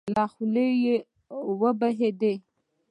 له خولې يې وبهېدې.